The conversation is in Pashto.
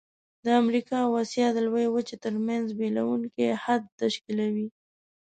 د امریکا او آسیا د لویې وچې ترمنځ بیلوونکی حد تشکیلوي.